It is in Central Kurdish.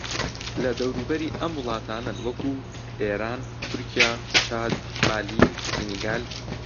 لە دەوروبەری ئەم وڵاتانەن وەکوو: ئێران، تورکیا، چاد، مالی، سینیگال